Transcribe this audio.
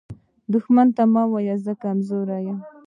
دښمن ته مه وایه “زه کمزوری یم”